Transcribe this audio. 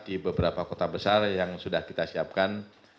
di beberapa kota besar yang sudah kita siapkan